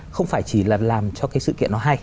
không phải chỉ là làm cho cái sự kiện nó hay